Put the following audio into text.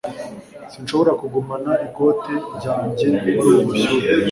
Sinshobora kugumana ikote ryanjye muri ubu bushyuhe.